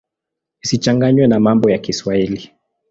Isichanganywe na mambo ya Kiswahili.